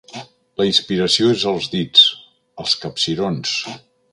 La inspiració és als dits, als capcirons.